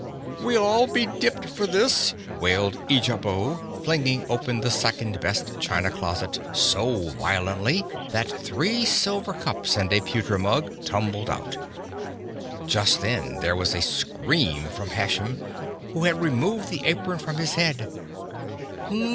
"We'll all be dipped for this!" wailed Eejabo, flinging open the second best china closet so violently that three silver cups and a pewter mug tumbled out. Just then there was a scream from Hashem, who had removed the apron from his head.